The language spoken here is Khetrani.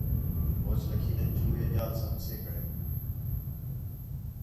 ہوچ لَکھین٘دِن چوہے ڄال سا پَھسّے کھڑِن